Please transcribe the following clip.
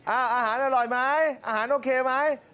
อาหารอร่อยไหมอาหารโอเคไหม